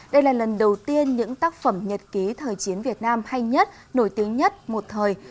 đây là lần đầu tiên những tác phẩm nhật ký thời chiến việt nam hay nhất nổi tiếng nhất một thời